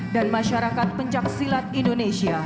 dan masyarakat pencaksilat indonesia